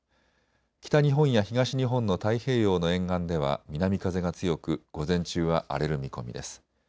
北日本や東日本の太平洋の沿岸では南風が強く午前中は荒れる見込みです。